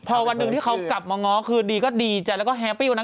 าโหต้องดูหน้าเขาเท่านั้นเองยังออกปะนะ